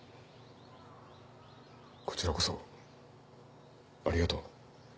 こちらこそありがとう。